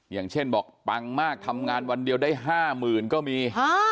อย่างเช่นบอกปังมากทำงานวันเดียวได้๕๐๐๐ก็มี